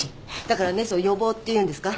だからねその予防っていうんですか？